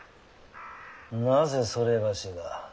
なぜ某が。